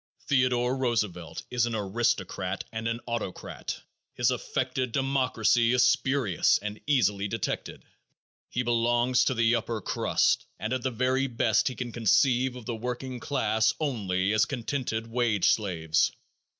Theodore Roosevelt is an aristocrat and an autocrat. His affected democracy is spurious and easily detected. He belongs to the "upper crust" and at the very best he can conceive of the working class only as contented wage slaves.